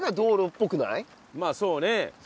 まあそうね。